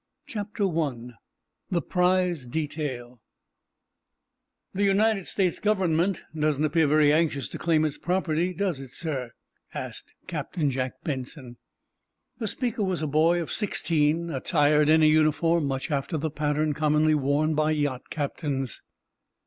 CHAPTER I: THE PRIZE DETAIL "The United States Government doesn't appear very anxious to claim its property, does it, sir?" asked Captain Jack Benson. The speaker was a boy of sixteen, attired in a uniform much after the pattern commonly worn by yacht captains.